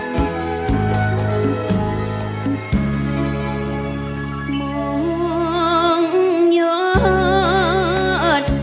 มองหยอด